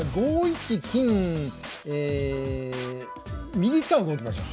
右側動きましょう。